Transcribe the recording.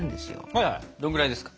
はいはいどれぐらいですか？